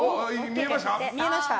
見えました。